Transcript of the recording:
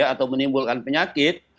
atau menimbulkan penyakit